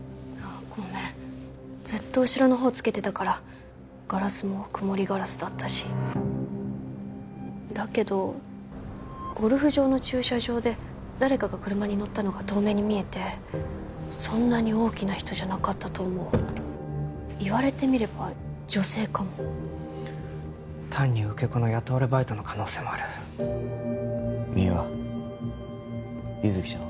ごめんずっと後ろのほうつけてたからガラスも曇りガラスだったしだけどゴルフ場の駐車場で誰かが車に乗ったのが遠目に見えてそんなに大きな人じゃなかったと思う言われてみれば女性かも単に受け子の雇われバイトの可能性もある三輪優月ちゃんは？